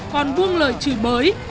còn buông lời chửi bới